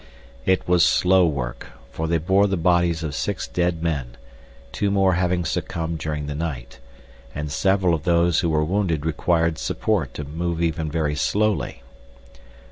It was slow work, for they bore the bodies of six dead men, two more having succumbed during the night, and several of those who were wounded required support to move even very slowly.